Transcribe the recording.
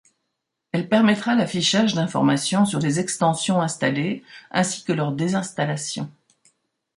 Elle permettra l'affichage d'informations sur les extensions installées, ainsi que leur désinstallation.